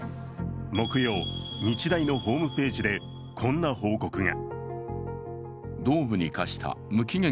木曜、日大のホームページでこんな報告が。